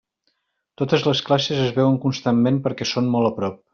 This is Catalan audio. Totes les classes es veuen constantment, perquè són molt a prop.